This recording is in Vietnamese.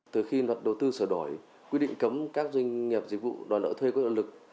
từ khi luật đầu tư sửa đổi quy định cấm các doanh nghiệp dịch vụ đòi nợ thuê có lợi lực